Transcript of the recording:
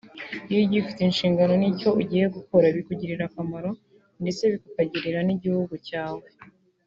Iyo ugiye ufite inshingano n’icyo ugiye gukora bikugirira akamaro ndetse bikakagirira n’igihugu cyawe